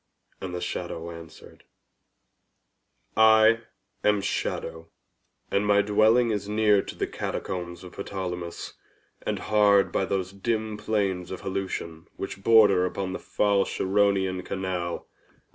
And the shadow answered, "I am SHADOW, and my dwelling is near to the Catacombs of Ptolemais, and hard by those dim plains of Helusion which border upon the foul Charonian canal."